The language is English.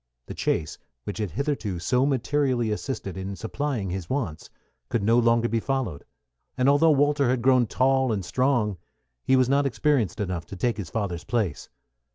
The chase, which had hitherto so materially assisted in supplying his wants, could no longer be followed; and although Walter had grown tall and strong, he was not experienced enough to take his father's place.